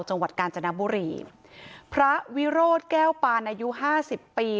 จังหวัดกาญจนบุรีพระวิโรธแก้วปานอายุห้าสิบปี